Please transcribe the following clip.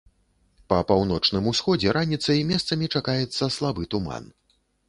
Па паўночным усходзе раніцай месцамі чакаецца слабы туман.